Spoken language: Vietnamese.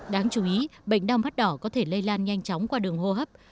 đáng chú ý bệnh đau mắt đỏ có thể lây lan nhanh chóng qua đường hô hấp